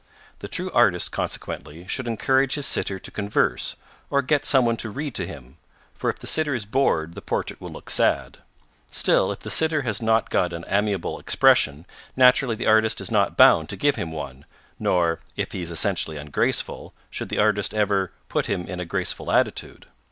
The true artist consequently should encourage his sitter to converse, or get some one to read to him; for if the sitter is bored the portrait will look sad. Still, if the sitter has not got an amiable expression naturally the artist is not bound to give him one, nor 'if he is essentially ungraceful' should the artist ever 'put him in a graceful attitude.'